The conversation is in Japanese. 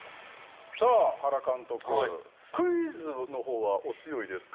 さあ、原監督クイズのほうはお強いですか？